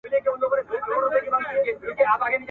هغه ته د نوو موندنو په سترګه و کتل سول